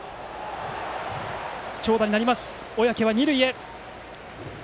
長打になります、小宅は二塁へ。